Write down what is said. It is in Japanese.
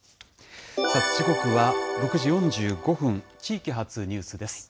時刻は６時４５分、地域発ニュースです。